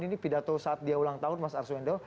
ini pidato saat dia ulang tahun mas arswendo